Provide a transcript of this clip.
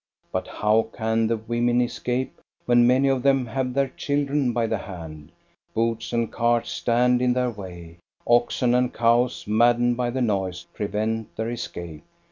But how can the women escape when many of them have their children by the hand ? Booths and carts stand in their way ; oxen and cows, maddened by the noise, prevent their escape.